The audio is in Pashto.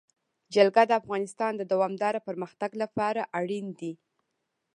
جلګه د افغانستان د دوامداره پرمختګ لپاره اړین دي.